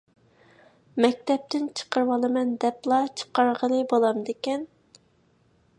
مەكتەپتىن چىقىرىۋالىمەن دەپلا چىقارغىلى بولامدىكەن؟